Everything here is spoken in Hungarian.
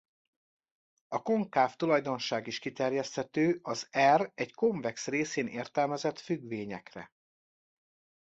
A konkáv tulajdonság is kiterjeszthető az R egy konvex részén értelmezett függvényekre.